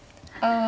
あ。